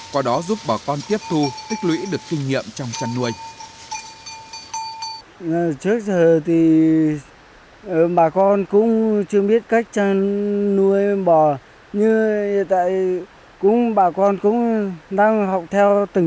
qua đó giúp bà con tiếp thu tích lũy được kinh nghiệm trong chăn nuôi